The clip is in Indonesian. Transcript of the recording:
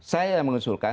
saya yang mengusulkan